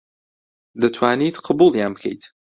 دەتوانیت قبووڵیان بکەیت